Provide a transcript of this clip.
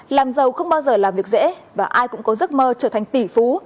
làm giàu không bao giờ làm việc dễ và ai cũng có giấc mơ trở thành tỷ phú